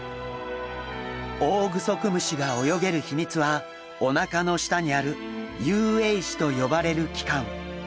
オオグソクムシが泳げる秘密はおなかの下にある遊泳肢と呼ばれる器官。